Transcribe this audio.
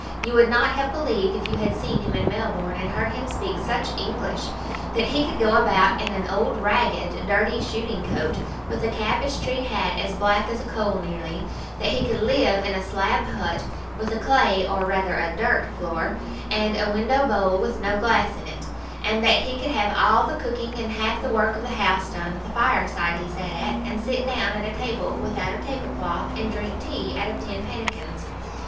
You would not have believed, if you had seen him in Melbourne, and heard him speak such English, that he could go about in an old ragged, dirty shooting coat, with a cabbage tree hat as black as a coal nearly that he could live in a slab hut, with a clay, or rather, a dirt floor, and a window bole with no glass in it and that he could have all the cooking and half the work of the house done at the fireside he sat at, and sit down at a table without a table cloth, and drink tea out of tin pannikins.